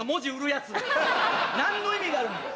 何の意味があるんだよ。